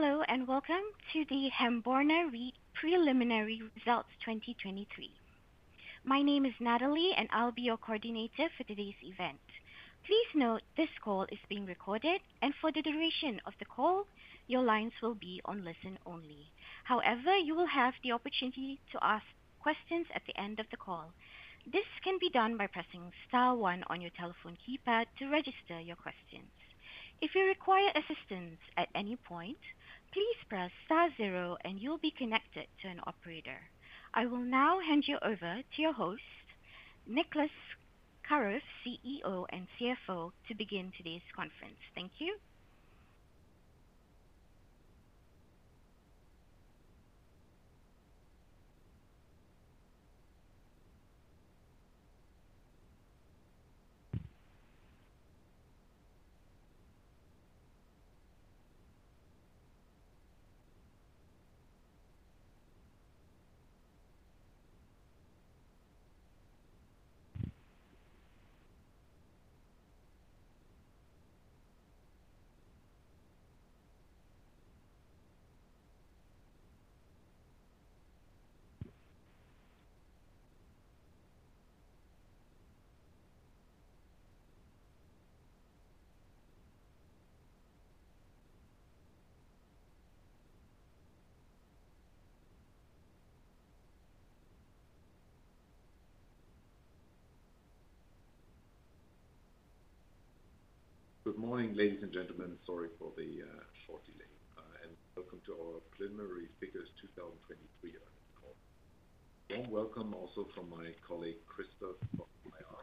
Hello, and welcome to the Hamborner REIT preliminary results 2023. My name is Natalie, and I'll be your coordinator for today's event. Please note, this call is being recorded, and for the duration of the call, your lines will be on listen only. However, you will have the opportunity to ask questions at the end of the call. This can be done by pressing star one on your telephone keypad to register your questions. If you require assistance at any point, please press star zero and you'll be connected to an operator. I will now hand you over to your host, Niclas Karoff, CEO and CFO, to begin today's conference. Thank you. Good morning, ladies and gentlemen. Sorry for the short delay, and welcome to our preliminary figures 2023 earnings call. A warm welcome also from my colleague, Christoph, from IR.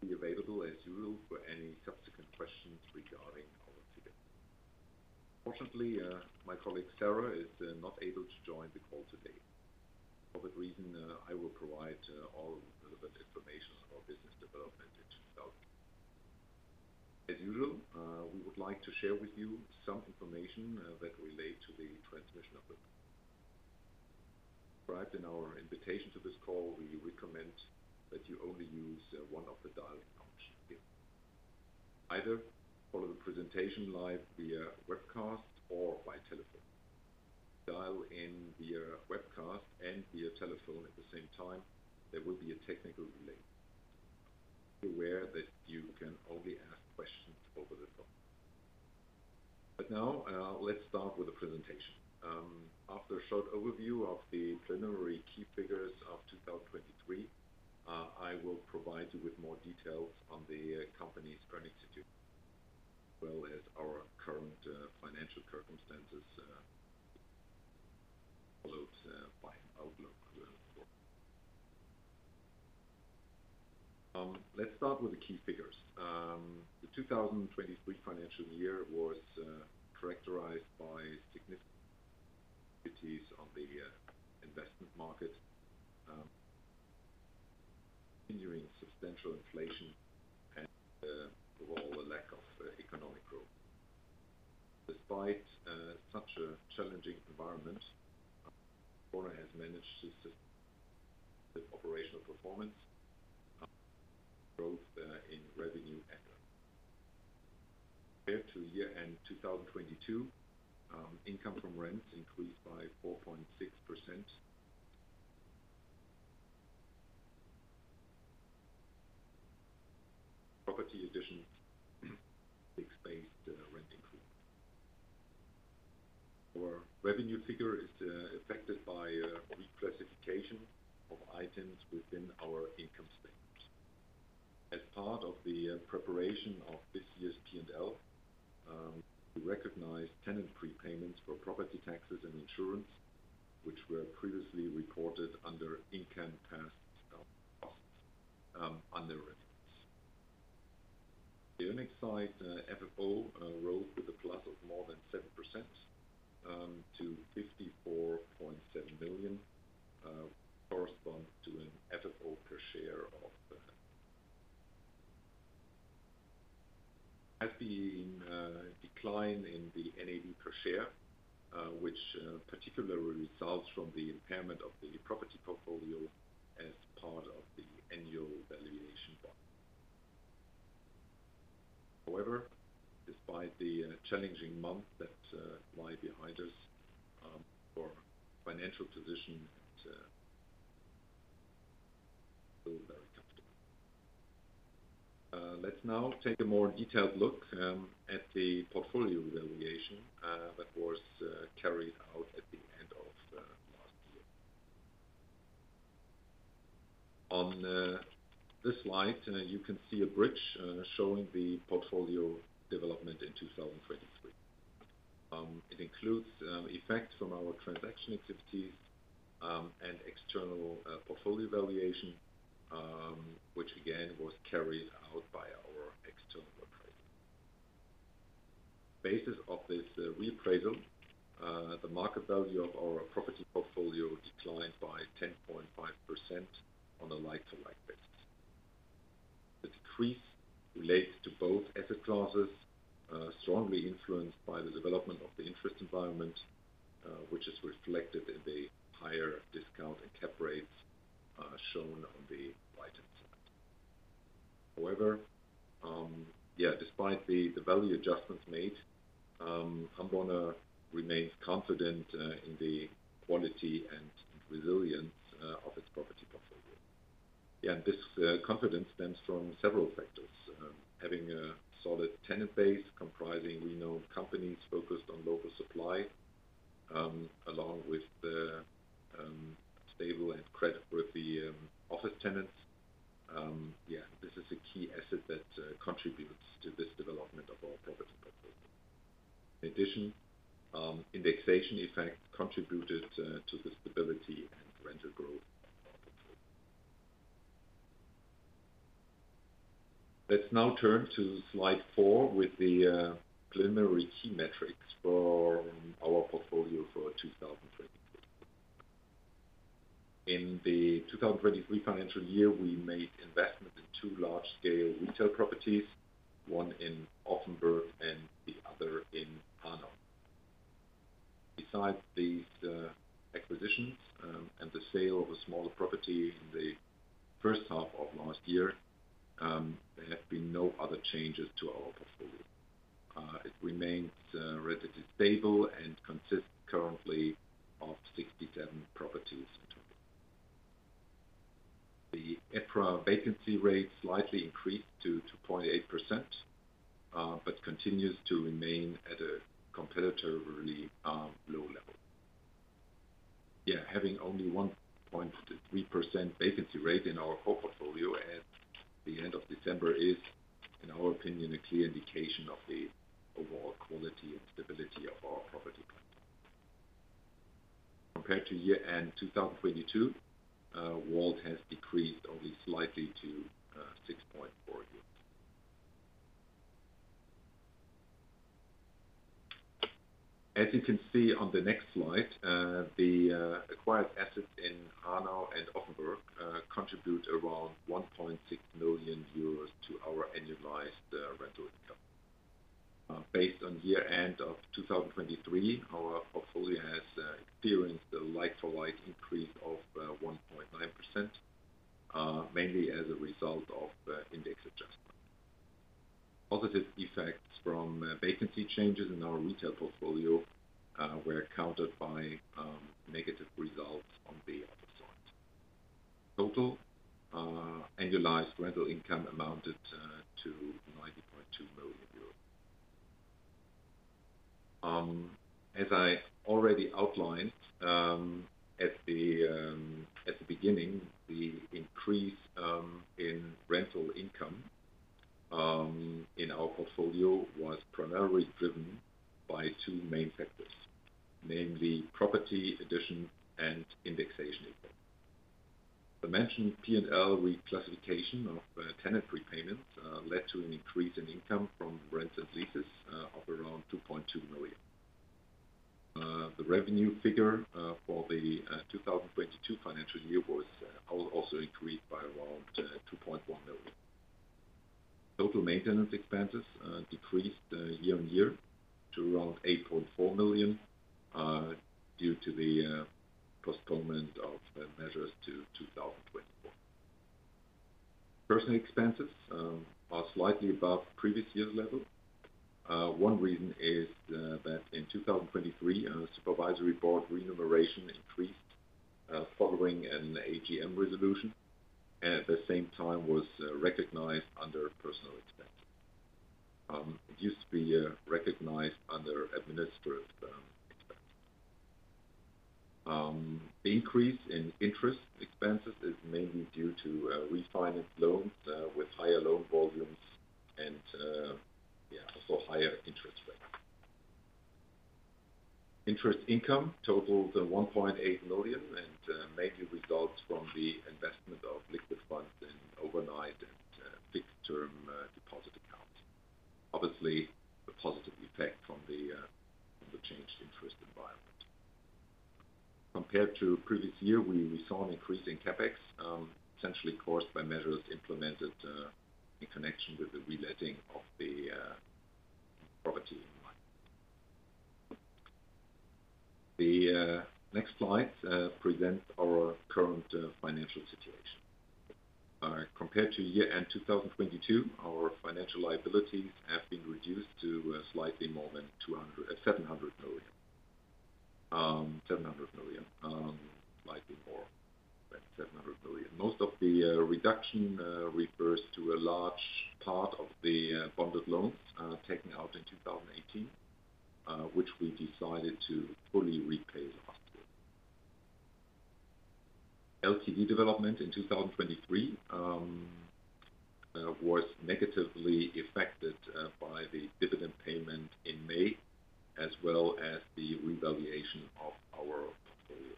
He'll be available as usual for any subsequent questions regarding our ticket. Unfortunately, my colleague, Sarah, is not able to join the call today. For that reason, I will provide all relevant information on our business developmented out. As usual, we would like to share with you some information that relate to the transmission of the... Described in our invitation to this call, we recommend that you only use one of the dialing options. Either follow the presentation live via webcast or by telephone. Dial in via webcast and via telephone at the same time, there will be a technical delay. Be aware that you can only ask questions over the phone. But now, let's start with the presentation. After a short overview of the preliminary key figures of 2023, I will provide you with more details on the company's earnings situation, as well as our current financial circumstances, followed by an outlook. Let's start with the key figures. The 2023 financial year was characterized by significant headwinds on the investment market, enduring substantial inflation and, overall, a lack of economic growth. Despite such a challenging environment, Hamborner has managed to sustain the operational performance, growth in revenue and... Compared to year-end 2022, income from rents increased by 4.6%. Property addition expanded rent income. Our revenue figure is affected by reclassification of items within our income statement. As part of the preparation of this year's P&L, we recognize tenant prepayments for property taxes and insurance, which were previously reported under income, past costs, under rents. The earnings side, FFO, rose with a plus of more than 7%, to EUR 54.7 million, corresponds to an FFO per share of... At the decline in the NAV per share, which particularly results from the impairment of the property portfolio as part of the annual valuation plan. However, despite the challenging months that lie behind us, our financial position is still very comfortable. Let's now take a more detailed look at the portfolio revaluation that was carried out at the end of last year. On this slide, you can see a bridge showing the portfolio development in 2023. It includes effects from our transaction activities and external portfolio valuation, which, again, was carried out by our external appraiser. Basis of this reappraisal, the market value of our property portfolio declined by 10.5% on a like-to-like basis. The decrease relates to both asset classes, strongly influenced by the development of the interest environment, which is reflected in the higher discount and cap rates shown on the right-hand side. However, yeah, despite the value adjustments made, Hamborner remains confident in the quality and resilience of its property portfolio. Yeah, this confidence stems from several factors. Having a solid tenant base comprising renowned companies focused on local supply, along with the stable and creditworthy office tenants. Yeah, this is a key asset that contributes to this development of our property portfolio. In addition, indexation effect contributed to the stability and rental growth. Let's now turn to slide 4 with the preliminary key metrics for our portfolio for 2023. In the 2023 financial year, we made investments in two large-scale retail properties, one in Offenburg and the other in Hanau. Besides these acquisitions, and the sale of a smaller property in the first half of last year, there have been no other changes to our portfolio. It remains relatively stable and consists currently of 67 properties in total. The EPRA vacancy rate slightly increased to 2.8%, but continues to remain at a competitively low level. Yeah, having only 1.3% vacancy rate in our whole portfolio at the end of December is, in our opinion, a clear indication of the overall quality and stability of our property portfolio. Compared to year-end 2022, WALT has decreased only slightly to 6.4 years. As you can see on the next slide, the acquired assets in Hanau and Offenburg contribute around 1.6 million euros to our annualized rental income. Based on year-end of 2023, our portfolio has experienced a like-for-like increase of 1.9%, mainly as a result of index adjustment. Positive effects from vacancy changes in our retail portfolio were countered by negative results on the other side. Total annualized rental income amounted to EUR 90.2 million. As I already outlined at the beginning, the increase in rental income in our portfolio was primarily driven by two main factors, namely property addition and indexation. The mentioned P&L reclassification of tenant prepayment led to an increase in income from rents and leases of around 2.2 million. The revenue figure for the 2022 financial year was also increased by around 2.1 million. Total maintenance expenses decreased year-on-year to around 8.4 million due to the postponement of measures to 2024. Personnel expenses are slightly above previous year's level. One reason is that in 2023, our Supervisory Board remuneration increased following an AGM resolution, and at the same time was recognized under personnel expense. It used to be recognized under administrative expense. The increase in interest expenses is mainly due to refinance loans with higher loan volumes and yeah, also higher interest rates. Interest income totaled 1.8 million, and mainly results from the investment of liquid funds in overnight and fixed-term deposit accounts. Obviously, a positive effect from the changed interest environment. Compared to previous year, we saw an increase in CapEx, essentially caused by measures implemented in connection with the reletting of the property. The next slide presents our current financial situation. Compared to year-end 2022, our financial liabilities have been reduced to slightly more than 700 million. Most of the reduction refers to a large part of the bonded loans taken out in 2018, which we decided to fully repay last year. LTV development in 2023 was negatively affected by the dividend payment in May, as well as the revaluation of our portfolio.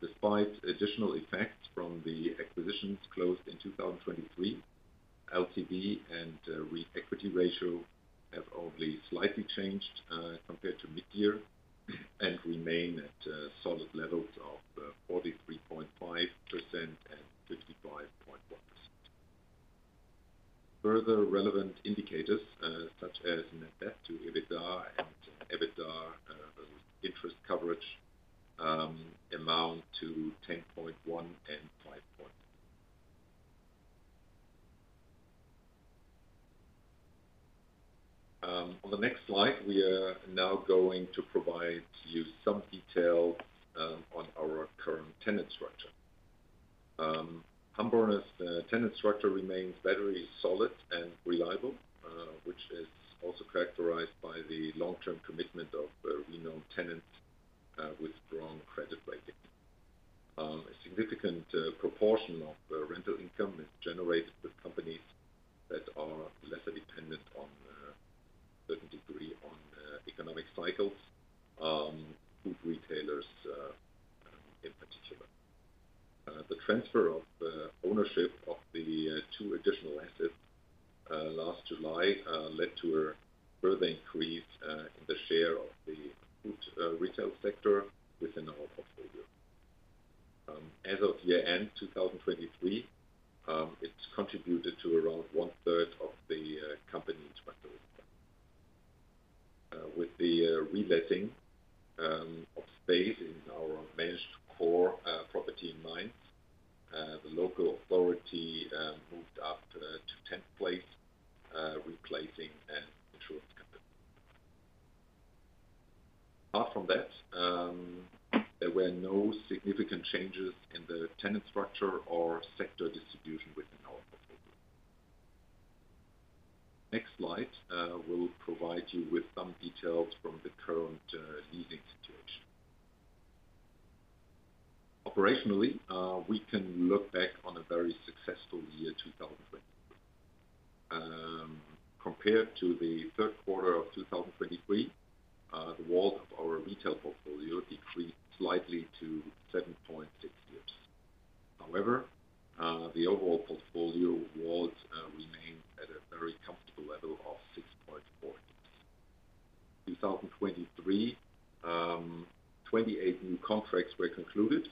Despite additional effects from the acquisitions closed in 2023, LTV and REIT equity ratio have only slightly changed compared to mid-year, and remain at solid levels of 43.5% and 55.1%. Further relevant indicators, such as net debt to EBITDA and EBITDA interest coverage, amount to 10.1 and 5. On the next slide, we are now going to provide you some detail on our current tenant structure. Hamborner's tenant structure remains very solid and reliable, which is also characterized by the long-term commitment of renowned tenants with strong credit rating. A significant proportion of the rental income is generated with companies that are lesser dependent on certain degree on economic cycles, food retailers in particular. The transfer of ownership of the two additional assets last July led to a further increase in the share of the food retail sector within our portfolio. As of year-end, 2023, it's contributed to around one-third of the company's rental. With the reletting of space in our managed core property in mind, the local authority moved up to 10th place, replacing an insurance company. Apart from that, there were no significant changes in the tenant structure or sector distribution within our portfolio. Next slide will provide you with some details from the current leasing situation. Operationally, we can look back on a very successful year, 2023. Compared to the third quarter of 2023, the WALTs of our retail portfolio decreased slightly to 7.6 years. However, the overall portfolio WALTs remain at a very comfortable level of 6.4. 2023, 28 new contracts were concluded,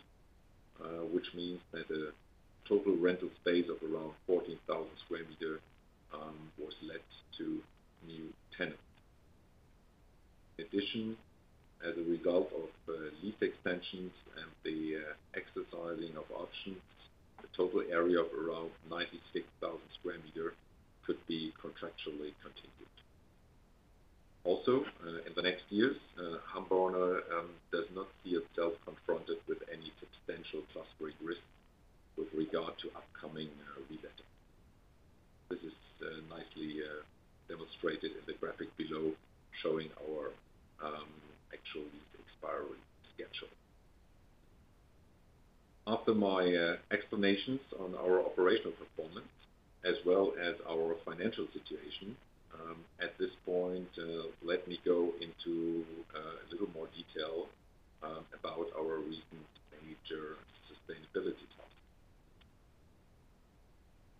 which means that a total rental space of around 14,000 square meters was let to new tenants. In addition, as a result of lease extensions and the exercising of options, the total area of around 96,000 square meters could be contractually continued. Also, in the next years, Hamborner does not see itself confronted with any substantial cash break risk with regard to upcoming relet. This is nicely demonstrated in the graphic below, showing our actual expiry schedule. After my explanations on our operational performance, as well as our financial situation, at this point, let me go into a little more detail about our recent major sustainability topic.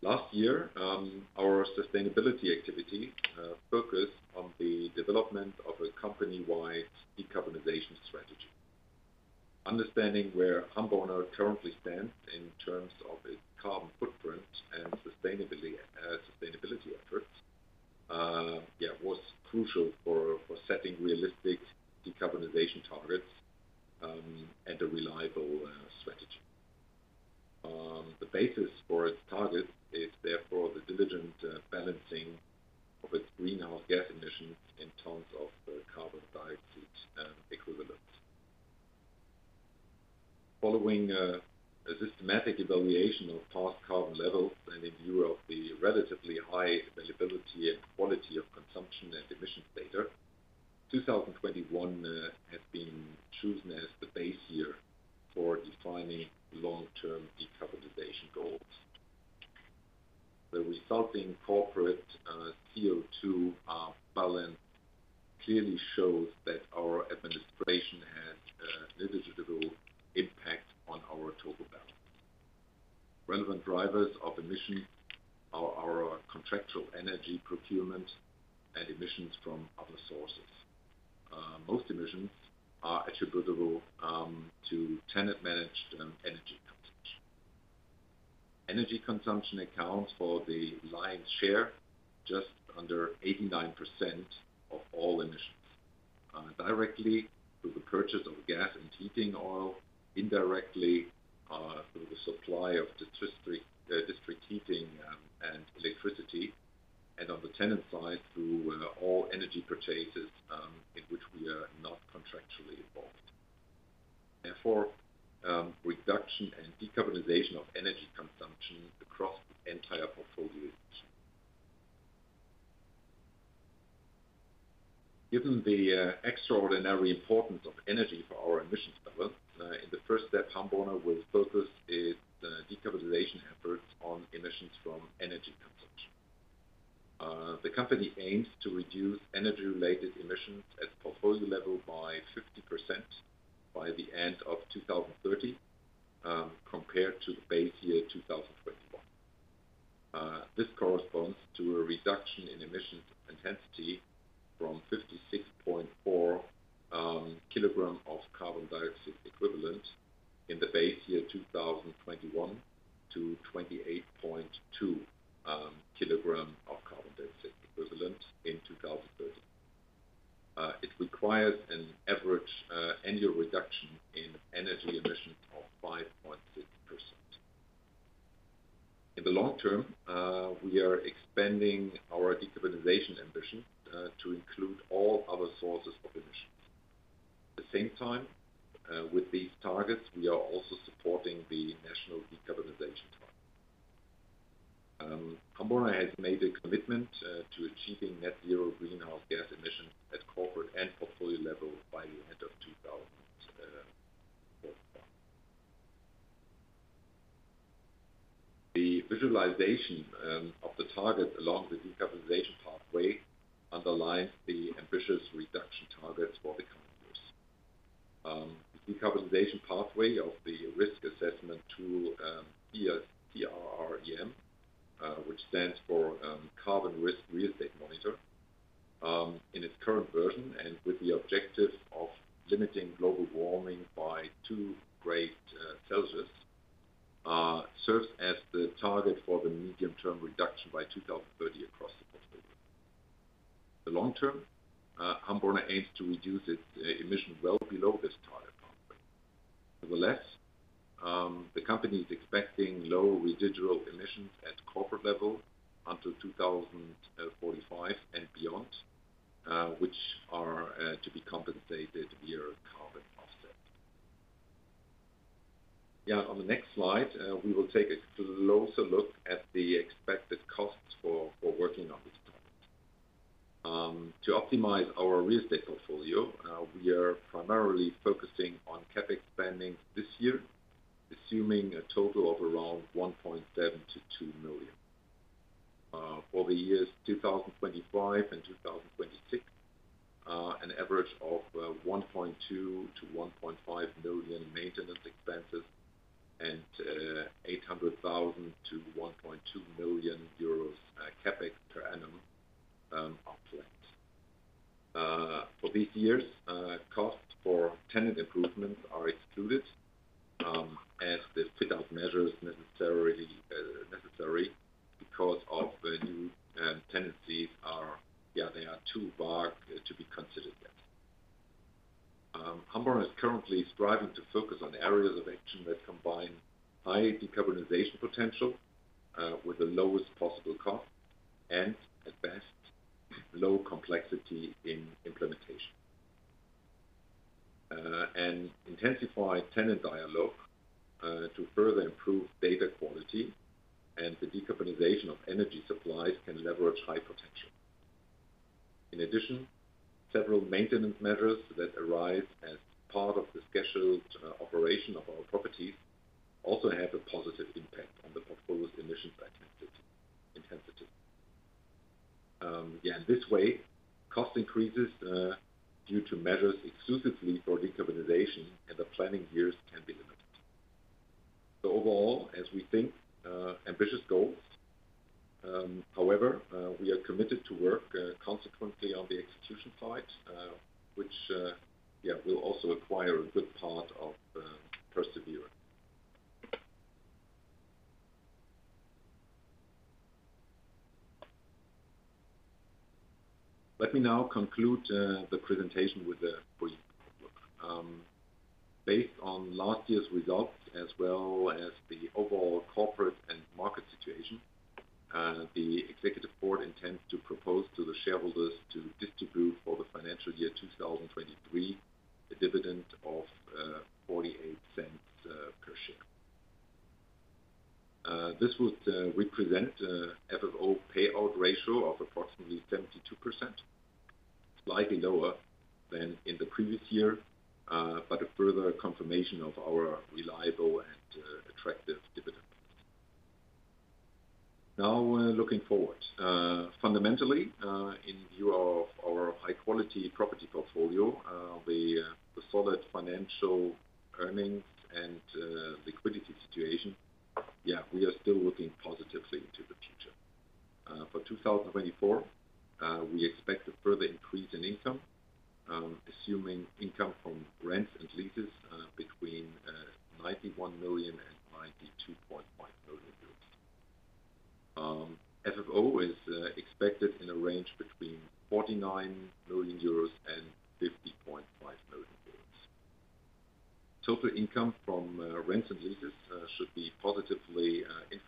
Last year, our sustainability activity focused on the development of a company-wide decarbonization strategy. Understanding where Hamborner currently stands in terms of its carbon footprint and sustainability efforts was crucial for setting realistic decarbonization targets and a reliable strategy. The basis for its target is therefore the diligent balancing of its greenhouse gas emissions in terms of carbon dioxide and equivalent. Following a systematic evaluation of past carbon levels, and in view of the relatively high availability and quality of consumption and emissions data, 2021 has been chosen as the base year for defining long-term decarbonization goals. The resulting corporate CO2 balance clearly shows that our administration has negligible impact on our total balance. Relevant drivers of emission are our contractual energy procurement and emissions from other sources. Most emissions are attributable to tenant-managed energy consumption. Energy consumption accounts for the lion's share, just under 89% of all emissions. Directly, through the purchase of gas and heating oil, indirectly, through the supply of district heating, and electricity, and on the tenant side, through all energy purchases in which we are not contractually involved. Therefore, reduction and decarbonization of energy consumption across the entire portfolio. Given the extraordinary importance of energy for our emissions level, in the first step, Hamborner will focus its decarbonization efforts on emissions from energy consumption. The company aims to reduce energy-related emissions at portfolio level by 50% by the end of 2030, compared to the base year, 2021. This corresponds to a reduction in emissions intensity from 56.4 kg. Of carbon dioxide equivalent in the base year 2021 to 28.2 kg of carbon dioxide equivalent in 2030. It requires an average annual reduction in energy emissions of 5.6%. In the long term, we are expanding our decarbonization ambition to include all other sources of emissions. At the same time, with these targets, we are also supporting the national decarbonization target. Hamborner has made a commitment to achieving net zero greenhouse gas emissions at corporate and portfolio level by the end of 2040. The visualization of the target along the decarbonization pathway underlies the ambitious reduction targets for the companies. The decarbonization pathway of the risk assessment tool, as the fit-out measures necessary because of the new tenancies are too vague to be considered yet. Hamborner is currently striving to focus on areas of action that combine high decarbonization potential with the lowest possible cost and at best, low complexity in implementation. An intensified tenant dialogue to further improve data quality and the decarbonization of energy supplies can leverage high potential. In addition, several maintenance measures that arise as part of the scheduled operation of our properties also have a positive impact on the portfolio's emission intensity. This way, cost increases due to measures exclusively for decarbonization in the planning years can be limited. So overall, as we think, ambitious goals. However, we are committed to work consequently on the execution side, which will also require a good part of perseverance. Let me now conclude the presentation with the brief. Based on last year's results, as well as the overall corporate and market situation, the Executive Board intends to propose to the shareholders to distribute for the financial year 2023, a dividend of 0.48 per share. This would represent FFO payout ratio of approximately 72%, slightly lower than in the previous year, but a further confirmation of our reliable and attractive dividend. Now, looking forward. Fundamentally, in view of our high-quality property portfolio, the solid financial earnings and liquidity situation, yeah, we are still looking positively to the future. For 2024, we expect a further increase in income, assuming income from rents and leases between 91 million and 92.5 million euros. FFO is expected in a range between 49 million euros and 50.5 million euros. Total income from rents and leases should be positively influenced both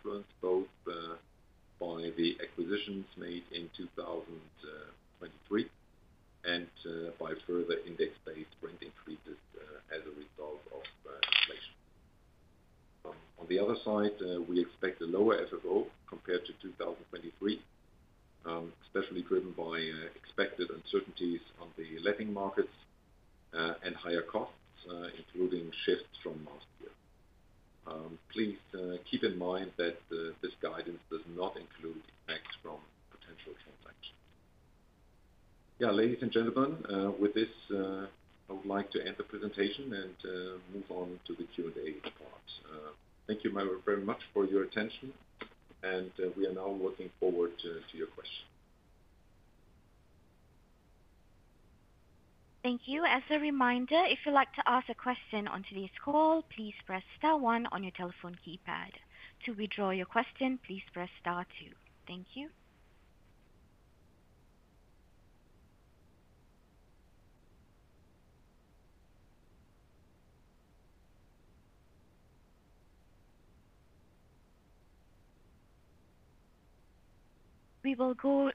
Our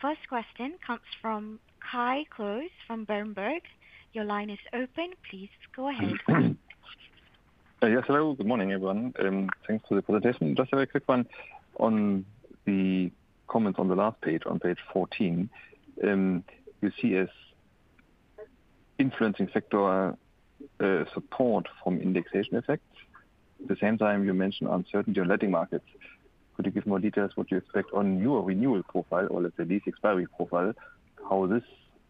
first question comes from Kai Klose from Berenberg. Your line is open. Please go ahead. Yes, hello. Good morning, everyone, thanks for the presentation. Just a very quick one on the comments on the last page, on page 14, you see as influencing factor, support from indexation effects. At the same time, you mentioned uncertain letting markets. Could you give more details what you expect on your renewal profile or let's say, lease expiry profile, how this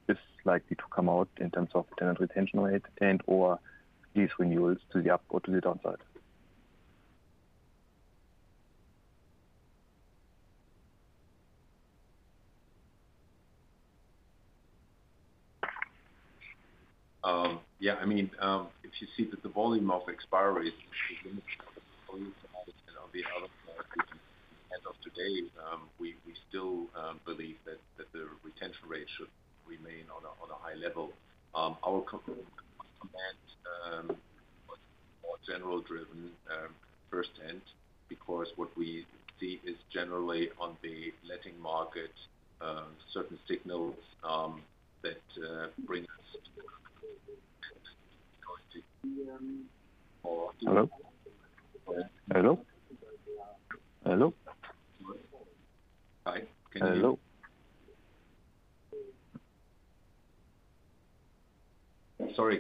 is likely to come out in terms of tenant retention rate and, or lease renewals to the up or to the downside? Yeah, I mean, if you see that the volume of expiry is as of today, we still believe that the retention rate should remain on a high level. Our commitment, more general driven, firsthand, because what we see is generally on the letting market, certain signals that bring us Hello? Hello, hello. Hi, can you- Hello. Sorry,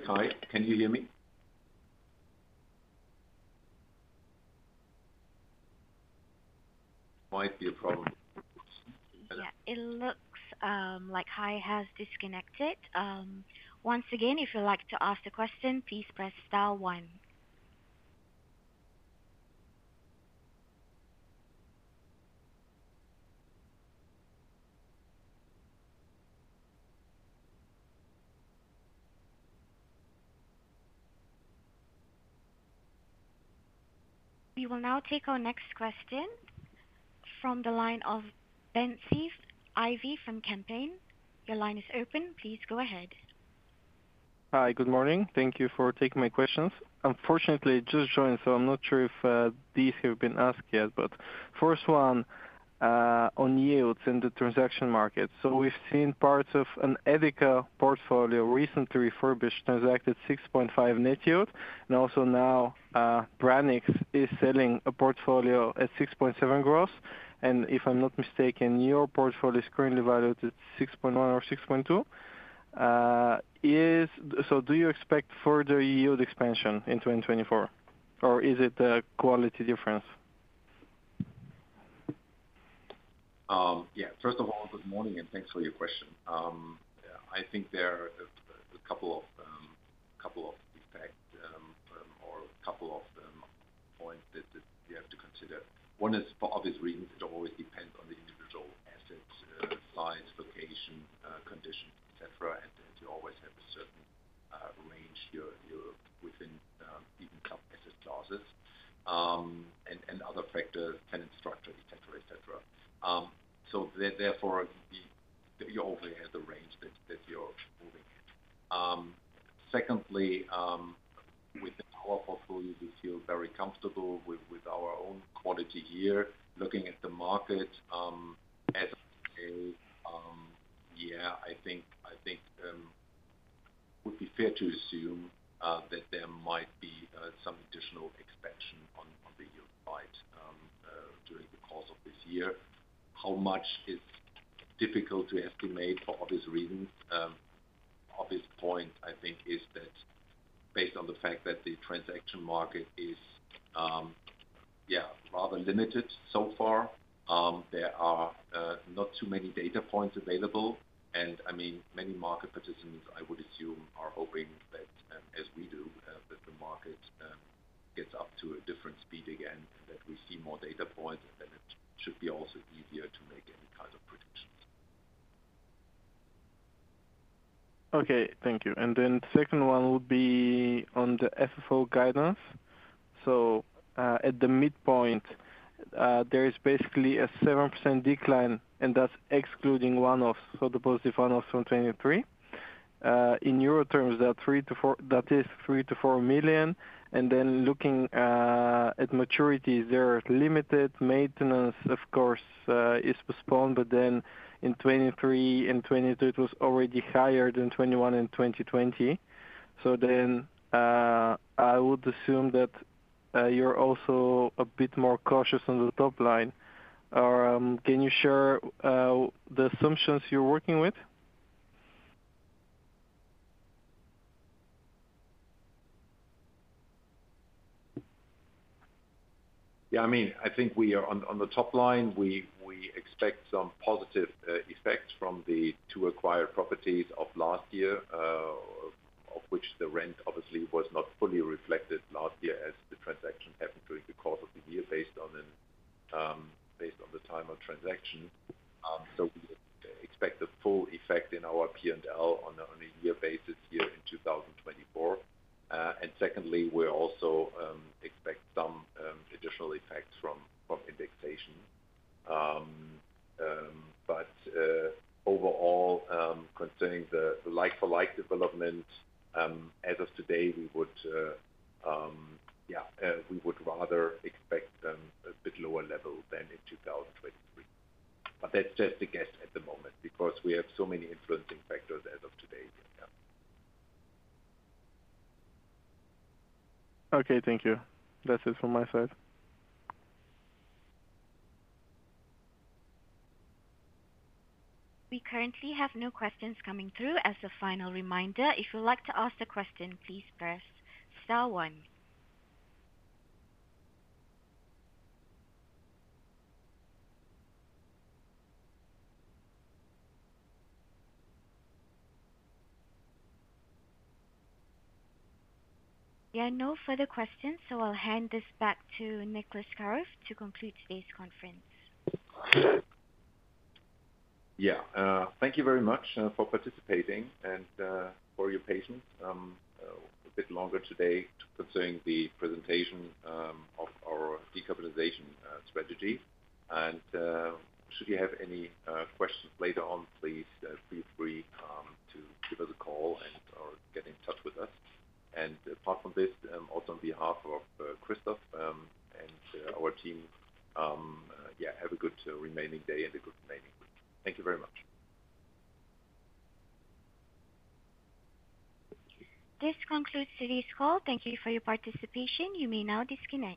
Kai, can you hear me? Might be a problem. Yeah, it looks like Kai has disconnected. Once again, if you'd like to ask the question, please press star one. We will now take our next question from the line of Ben Cece Ivey from Kempen. Your line is open. Please go ahead. Hi, good morning. Thank you for taking my questions. Unfortunately, just joined, so I'm not sure if these have been asked yet, but first one on yields in the transaction market. So we've seen parts of an EDEKA portfolio recently refurbished, transacted 6.5 net yield, and also now, Branicks is selling a portfolio at 6.7 gross. And if I'm not mistaken, your portfolio is currently valued at 6.1 or 6.2. So do you expect further yield expansion in 2024, or is it a quality difference? Yeah, first of all, good morning, and thanks for your question. I think there are a couple of, couple of effects, or a couple of, points that, that you have to consider. One is, for obvious reasons, it always depends on the individual assets, size, location, condition, et cetera, and you always have a certain, range here within, even clauses, and, and other factors, tenant structure, et cetera, et cetera. So therefore, you obviously have the range that, that you're moving in. Secondly, with the core portfolio, we feel very comfortable with, with our own quality here. Looking at the market, I think it would be fair to assume that there might be some additional expansion on the yield side during the course of this year. How much is difficult to estimate for obvious reasons. Obvious point, I think, is that based on the fact that the transaction market is rather limited so far, there are not too many data points available. And I mean, many market participants, I would assume, are hoping that, as we do, that the market gets up to a different speed again, and that we see more data points, and then it should be also easier to make any kind of predictions. Okay, thank you. And then the second one would be on the FFO guidance. So, at the midpoint, there is basically a 7% decline, and that's excluding one-off. So the positive one-off from 2023. In euro terms, that is 3 million-4 million. And then looking at maturity, there is limited maintenance, of course, is postponed, but then in 2023 and 2022, it was already higher than 2021 and 2020. So then, I would assume that you're also a bit more cautious on the top line. Can you share the assumptions you're working with? Yeah, I mean, I think we are on the top line, we expect some positive effects from the two acquired properties of last year, of which the rent obviously was not fully reflected last year as the transaction happened during the course of the year, based on the time of transaction. So we expect a full effect in our P&L on a year basis here in 2024. And secondly, we also expect some additional effects from indexation. But overall, concerning the like-for-like development, as of today, we would yeah, we would rather expect a bit lower level than in 2023. But that's just a guess at the moment, because we have so many influencing factors as of today. Yeah. Okay, thank you. That's it from my side. We currently have no questions coming through. As a final reminder, if you'd like to ask a question, please press star one. There are no further questions, so I'll hand this back to Niclas Karoff to conclude today's conference. Yeah. Thank you very much for participating and for your patience. A bit longer today concerning the presentation of our decarbonization strategy. And should you have any questions later on, please feel free to give us a call and or get in touch with us. And apart from this, also on behalf of Christoph and our team, yeah, have a good remaining day and a good remaining week. Thank you very much. This concludes today's call. Thank you for your participation. You may now disconnect.